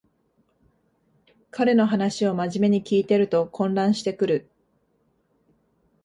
彼の話をまじめに聞いてると混乱してくる